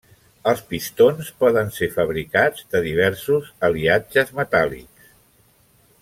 Els pistons poden ser fabricats de diversos aliatges metàl·lics.